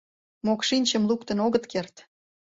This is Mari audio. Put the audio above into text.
Мокшинчым луктын огыт керт!..